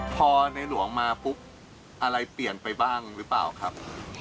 พอในหลวงมาปุ๊บอะไรเปลี่ยนไปบ้างหรือเปล่าครับ